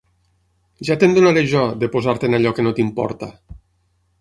Ja te'n donaré jo, de posar-te en allò que no t'importa!